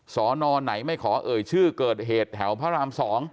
สอนอไหนไม่ขอเอ่ยชื่อเกิดเหตุแถวพระราม๒